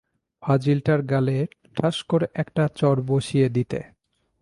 ফাজিলটার গালে ঠাস করে একটা চড় বসিয়ে দিতে।